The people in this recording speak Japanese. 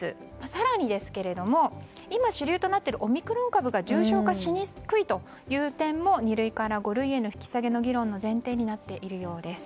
更にですが今、主流となっているオミクロン株が重症化しにくいという点も二類から五類への引き下げの議論の前提になっているようです。